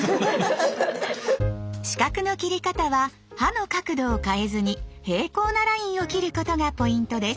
四角の切り方は刃の角度を変えずに平行なラインを切ることがポイントです。